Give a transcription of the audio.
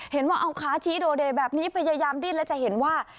เห็นว่าเอาขาชี้โดเดแบบนี้พยายามดิ้นแล้วจะเห็นว่า